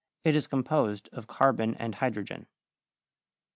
It is composed of carbon and hydrogen.